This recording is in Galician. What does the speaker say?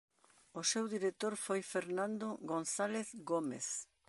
O seu director foi Fernando González Gómez.